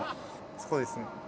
そこですね。